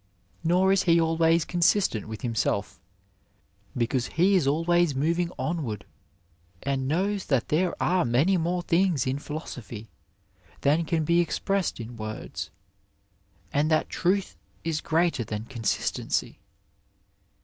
Nor is he always con sbtent with himself, because he is always moving onward. Digitized by VjOOQIC PHYSIC AND PHYSICIANS and knows that there are many more things in philosophy than can be expressed in words, and that truth is greater than consistency.